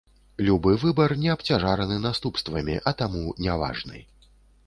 Любы выбар не абцяжараны наступствамі, а таму не важны.